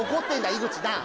井口なぁ。